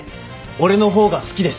俺の方が好きです